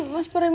mas pari mas